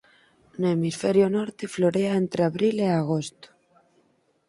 No hemisferio norte florea entre abril e agosto.